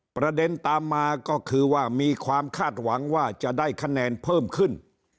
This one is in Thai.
ประเด็นตามมาก็คือว่ามีความคาดหวังว่าจะได้คะแนนเพิ่มขึ้น